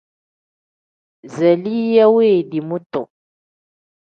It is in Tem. Zaliya wendii mutu.